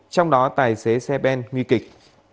trong đó tài xế xe bên nguy kịch